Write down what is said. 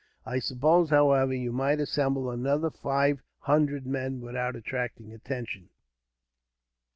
"I suppose, however, you might assemble another five hundred men, without attracting attention."